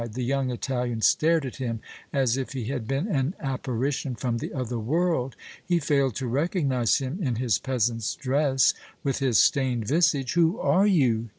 The young Italian stared at him as if he had been an apparition from the other world. He failed to recognize him in his peasant's dress, with his stained visage. "Who are you?"